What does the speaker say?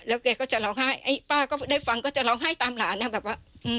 แล้วเขาก็จะร้องไห้ป้าก็ได้ฟังก็จะร้องไห้ตามหลานนะ